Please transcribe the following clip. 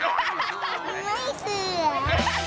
ไม่สวย